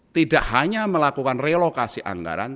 tidak hanya melakukan relokasi anggaran